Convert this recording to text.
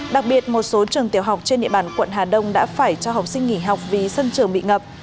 đặc biệt một số trường tiểu học trên địa bàn quận hà đông đã phải cho học sinh nghỉ học vì sân trường bị ngập